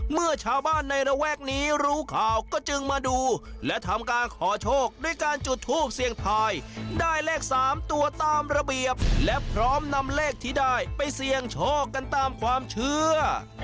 เมื่อชาวบ้านในระแวกนี้รู้ข่าวก็จึงมาดูและทำการขอโชคด้วยการจุดทูปเสี่ยงทายได้เลข๓ตัวตามระเบียบและพร้อมนำเลขที่ได้ไปเสี่ยงโชคกันตามความเชื่อ